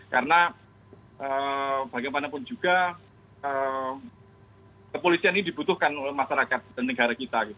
karena bagaimanapun juga kepolisian ini dibutuhkan oleh masyarakat dan negara kita